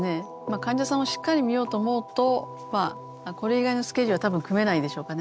患者さんをしっかり診ようと思うとこれ以外のスケジュールは多分組めないでしょうかね。